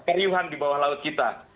keriuhan di bawah laut kita